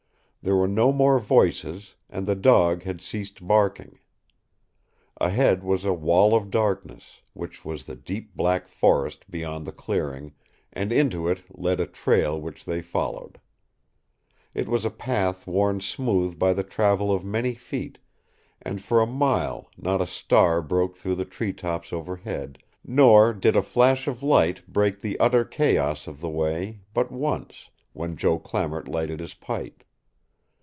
There were no more voices, and the dog had ceased barking. Ahead was a wall of darkness, which was the deep black forest beyond the clearing, and into it led a trail which they followed. It was a path worn smooth by the travel of many feet, and for a mile not a star broke through the tree tops overhead, nor did a flash of light break the utter chaos of the way but once, when Joe Clamart lighted his pipe.